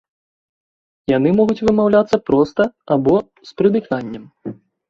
Яны могуць вымаўляцца проста або з прыдыханнем.